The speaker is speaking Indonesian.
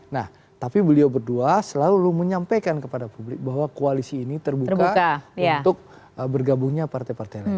nah tapi beliau berdua selalu menyampaikan kepada publik bahwa koalisi ini terbuka untuk bergabungnya partai partai lain